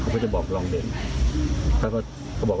การทำให้มันตามกฎหมายจะพูดมาก